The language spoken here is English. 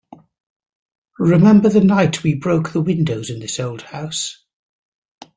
Remember the night we broke the windows in this old house?